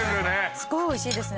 すごいおいしいですね。